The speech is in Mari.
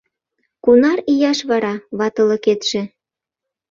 — Кунар ияш вара ватылыкетше?